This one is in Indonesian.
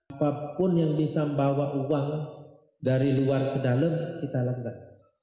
apapun yang bisa membawa uang dari luar ke dalam kita langgar